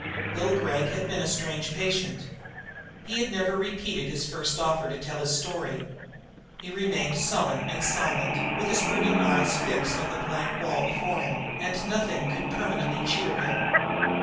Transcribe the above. Bill Gregg had been a strange patient. He had never repeated his first offer to tell his story. He remained sullen and silent, with his brooding eyes fixed on the blank wall before him, and nothing could permanently cheer him.